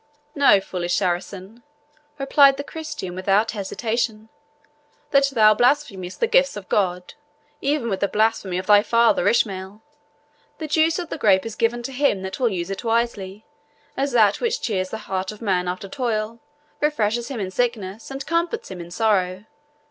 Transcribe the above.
"Know, foolish Saracen," replied the Christian, without hesitation, "that thou blasphemest the gifts of God, even with the blasphemy of thy father Ishmael. The juice of the grape is given to him that will use it wisely, as that which cheers the heart of man after toil, refreshes him in sickness, and comforts him in sorrow.